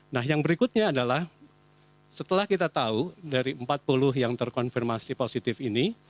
nah yang berikutnya adalah setelah kita tahu dari empat puluh yang terkonfirmasi positif ini